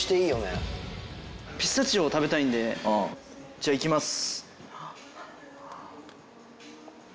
じゃあいきます。